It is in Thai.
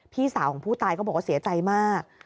พี่สาวของผู้ตายก็บอกว่าเสียใจมาก